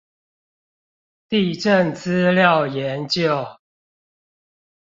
地政資料研究